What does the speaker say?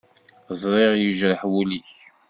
Ẓriɣ yejreḥ wul-ik.